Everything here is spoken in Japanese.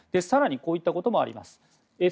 更に、こういったこともあります。